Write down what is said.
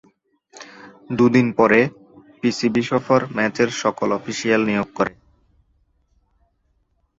দুদিন পরে, পিসিবি সফর ম্যাচের সকল অফিসিয়াল নিয়োগ করে।